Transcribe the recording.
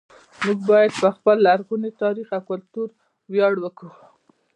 موږ باید په خپل لرغوني تاریخ او کلتور ویاړ وکړو